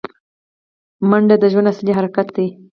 منډه د ژوند اصلي حرکت دی